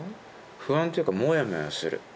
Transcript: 不安っていうかモヤモヤする。